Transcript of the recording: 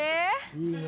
いいね。